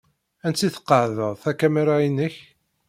Ansi d-tqeɛɛdeḍ takamira-inek?